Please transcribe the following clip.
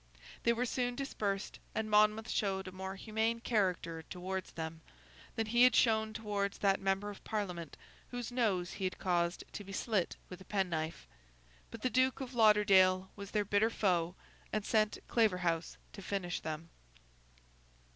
They were soon dispersed; and Monmouth showed a more humane character towards them, than he had shown towards that Member of Parliament whose nose he had caused to be slit with a penknife. But the Duke of Lauderdale was their bitter foe, and sent Claverhouse to finish them.